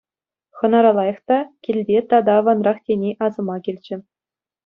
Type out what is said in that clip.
Хӑнара лайӑх та, килте тата аванрах тени асӑма килчӗ.